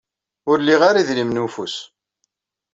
Ur liɣ ara idrimen n ufus.